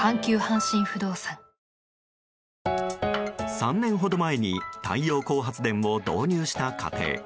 ３年ほど前に太陽光発電を導入した家庭。